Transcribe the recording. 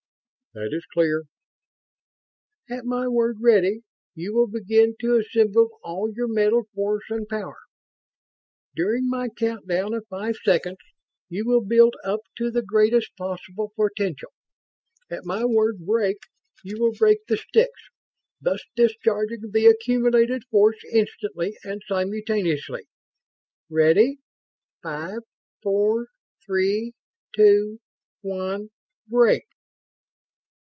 "That is clear." "At my word 'ready' you will begin to assemble all your mental force and power. During my countdown of five seconds you will build up to the greatest possible potential. At my word 'break' you will break the sticks, this discharging the accumulated force instantly and simultaneously. Ready! Five! Four! Three! Two! One! Break!"